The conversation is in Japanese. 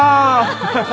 ハハハハ。